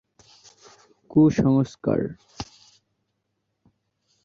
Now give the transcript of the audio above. কয়েকটি ছোট ছোট পাহাড়ের পাদদেশে এর অবস্থান।